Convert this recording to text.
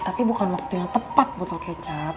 tapi bukan waktu yang tepat buat kecap